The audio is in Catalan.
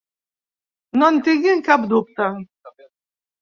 No en tinguin cap dubte.